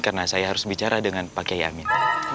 karena saya harus bicara dengan pak kiai amin